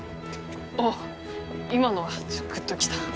あっ今のはグッときた。